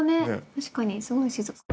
確かにすごい静か。